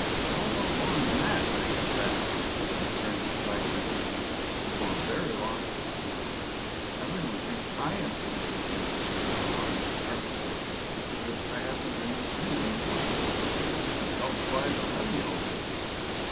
"They'll know more'n that, I expec'," he returned with a side glance at me, "before VERY long." "Every one thinks I am so interesting," she rattled on artlessly, "because I happened to meet YOU in the woods. I've held quite a levee all day.